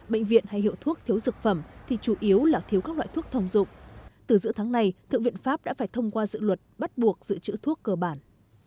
bệnh viện hay hiệu thuốc thiếu dược phẩm thì chủ yếu là thiếu các loại thuốc thông dụng từ giữa tháng này thượng viện pháp đã phải thông qua dự luật bắt buộc dự trữ thuốc cơ bản